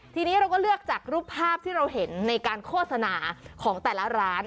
ทีนี้เราก็เลือกจากรูปภาพที่เราเห็นในการโฆษณาของแต่ละร้าน